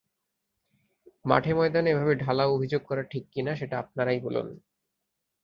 মাঠে ময়দানে এভাবে ঢালাও অভিযোগ করা ঠিক কি-না সেটা আপনারাই বলুন।